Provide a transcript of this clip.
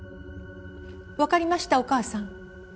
「わかりましたお義母さん」。